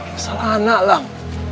masalah anak lang